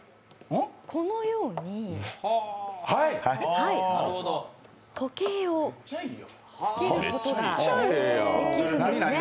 このように、はい、時計をつけることができるんですね。